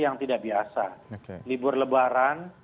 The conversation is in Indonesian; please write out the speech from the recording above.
yang tidak biasa libur lebaran